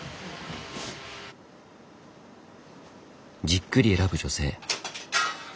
じっくり選ぶ女性。